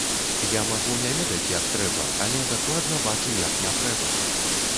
Я магу не ведаць, як трэба, але дакладна бачу, як не трэба.